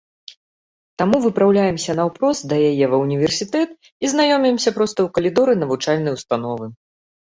Таму выпраўляемся наўпрост да яе ва ўніверсітэт і знаёмімся проста ў калідоры навучальнай установы.